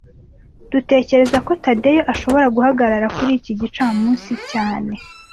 Dutekereza ko Tadeyo ashobora guhagarara kuri iki gicamunsi cyane